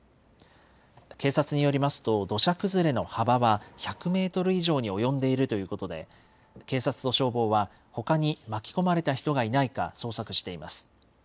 警察によりますと、土砂崩れの幅は１００メートル以上に及んでいるということで、警察と消防は、ほかに巻き込まれた人がいないか捜索しています。